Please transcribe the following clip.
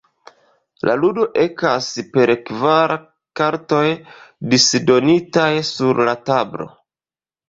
La ludo ekas per kvar kartoj disdonitaj sur la tablo.